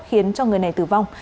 khiến cho người này tử vong